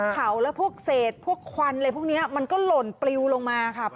เผาแล้วพวกเศษพวกควันอะไรพวกนี้มันก็หล่นปลิวลงมาค่ะ